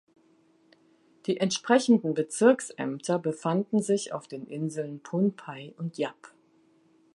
Die entsprechenden Bezirksämter befanden sich auf den Inseln Pohnpei und Yap.